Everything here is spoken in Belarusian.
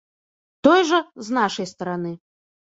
Той жа з нашай стараны.